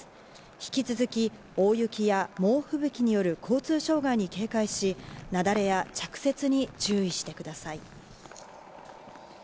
引き続き、大雪や猛ふぶきによる交通障害に警戒し、なだれや着雪に注意してください。